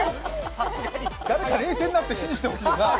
誰か冷静になって指示してほしいよな。